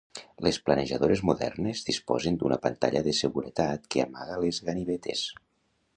Les planejadores modernes disposen d'una pantalla de seguretat que amaga les ganivetes.